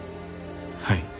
はい。